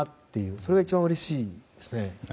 それが一番うれしいですね。